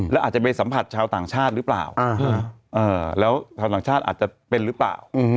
แล้วอาจจะไปสัมผัสชาวต่างชาติหรือเปล่าแล้วชาวต่างชาติอาจจะเป็นหรือเปล่า